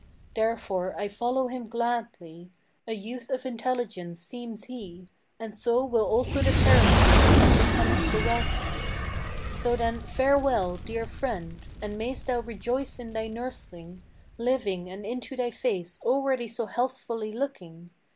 Therefore I follow him gladly. A youth of intelligence seems he, And so will also the parents be, as becometh the wealthy. So then farewell, dear friend; and mayst thou rejoice in thy nursling, Living, and into thy face already so healthfully looking!